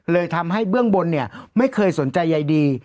เลยทำให้เบื้องบนเนี่ยไม่เคยสนใจใยดี